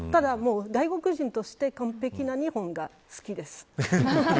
ただ、外国人として完璧な日本が好きです。